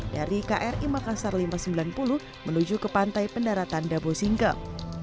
dari kri makassar lima ratus sembilan puluh menuju ke pantai pendaratan dabo singkeng